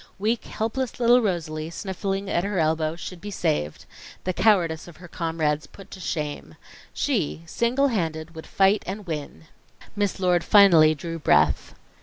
Weak, helpless, little Rosalie, sniffling at her elbow, should be saved the cowardice of her comrades put to shame. She, single handed, would fight and win. Miss Lord finally drew breath.